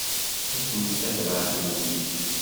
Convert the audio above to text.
Atent-a tebratin-ik.